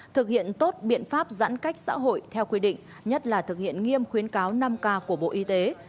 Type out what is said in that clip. thực hiện tốt biện pháp giãn cách xã hội theo quy định nhất là thực hiện nghiêm khuyến cáo năm k của bộ y tế